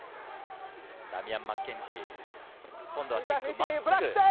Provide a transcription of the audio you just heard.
ダミアン・マッケンジー、今度はキック真っすぐ。